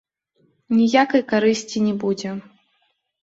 Ніякай карысці не будзе.